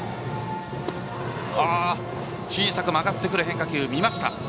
小さく曲がってくる変化球を見た。